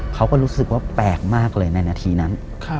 เขาก็รู้สึกว่าแปลกมากเลยในนาทีนั้น